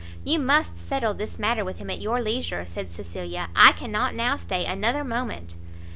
"You must settle this matter with him at your leisure," said Cecilia, "I cannot now stay another moment."